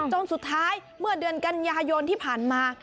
จนสุดท้ายเมื่อเดือนกันยายนที่ผ่านมา